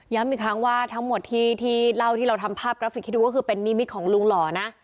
อีกครั้งว่าทั้งหมดที่เล่าที่เราทำภาพกราฟิกให้ดูก็คือเป็นนิมิตของลุงหล่อนะ